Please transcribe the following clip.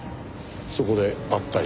そこでばったりと。